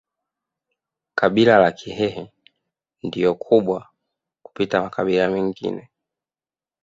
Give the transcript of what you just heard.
Kabila la Kihehe ndilo kubwa kupita makabila mengine